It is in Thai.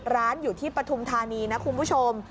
ร้านอยู่ที่ปฐุมธานีนะคุณผู้ชม